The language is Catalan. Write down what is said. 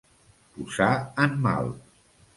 Posar en mal.